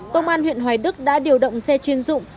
công an huyện hoài đức đã điều động xe chuyên dụng